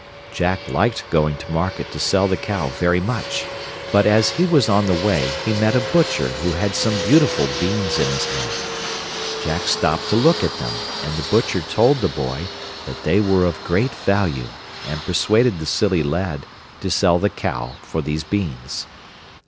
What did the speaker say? Jack liked going to market to sell the cow very much; but as he was on the way, he met a butcher who had some beautiful beans in his hand. Jack stopped to look at them, and the butcher told the boy that they were of great value, and persuaded the silly lad to sell the cow for these beans.